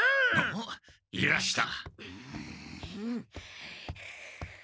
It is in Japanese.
おっいらした。